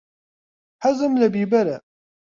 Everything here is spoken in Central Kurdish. حەزم لە بیبەرە.